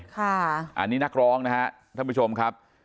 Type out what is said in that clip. ค่ะอันนี้นักร้องนะครับท่านผู้ชมครับ